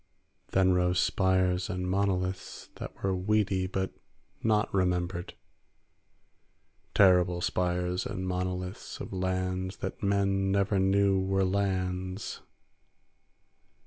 Then rose spires and monoliths that were weedy but not remembered; terrible spires and monoliths of lands that men never knew were lands.